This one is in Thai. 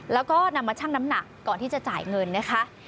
แล้วก็นำมาชั่งน้ำหนักก่อนที่จะจ่ายเงินนะคะ